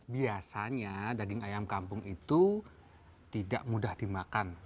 biasanya daging ayam kampung itu tidak mudah dimakan